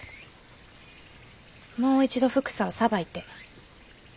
もう一度ふくさをさばいて。